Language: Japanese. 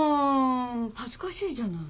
恥ずかしいじゃない。